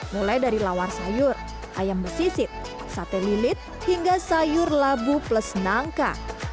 mulai dari lawar sayur ayam besisit sate lilit hingga sayur labu plus nangka